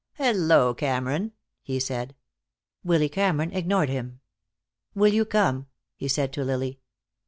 "Hello, Cameron," he said. Willy Cameron ignored him. "Will you come?" he said to Lily.